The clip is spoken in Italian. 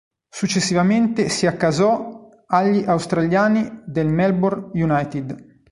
Successivamente si accasò agli australiani del Melbourne United.